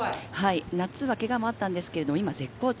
夏はけがもあったんですけど、今は絶好調。